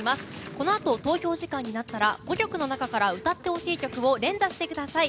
このあと投票時間になったら５曲の中から歌って欲しい曲を連打してください。